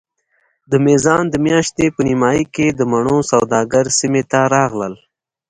د میزان د میاشتې په نیمایي کې د مڼو سوداګر سیمې ته راغلل.